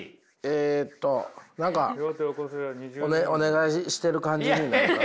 えっと何かお願いしてる感じになるから。